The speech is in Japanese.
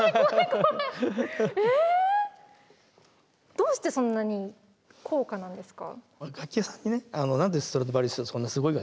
どうしてそんなに高価なんですか？